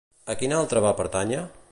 A quin altre va pertànyer?